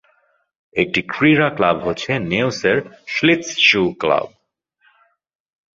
একটি ক্রীড়া ক্লাব হচ্ছে নেউসের শ্লিটস্চুহ- ক্লাব।